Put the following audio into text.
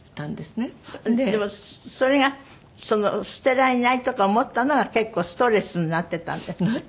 でもそれが捨てられないとか思ったのが結構ストレスになってたんですって？